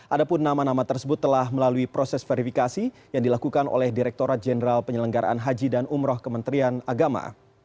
adapun nama nama tersebut telah melalui proses verifikasi yang dilakukan oleh direkturat jenderal penyelenggaraan haji dan umroh kementerian agama